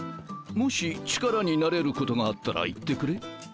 もし力になれることがあったら言ってくれ。